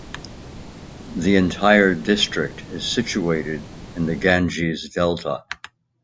The entire district is situated in the Ganges Delta.